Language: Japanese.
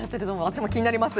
私も気になります。